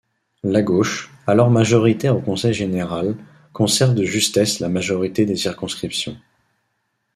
La gauche, alors majoritaire au conseil général, conserve de justesse la majorité des circonscriptions.